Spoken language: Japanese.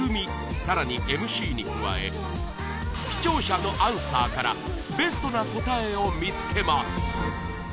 更に ＭＣ に加え視聴者のアンサーからベストな答えを見付けます